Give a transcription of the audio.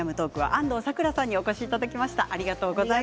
安藤サクラさんにお越しいただきました。